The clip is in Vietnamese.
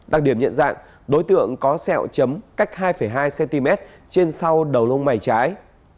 đặc điểm nhận dạng đối tượng có sẹo chấm cách hai hai cm trên sau đầu lông mày trái